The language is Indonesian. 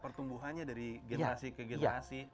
pertumbuhannya dari generasi ke generasi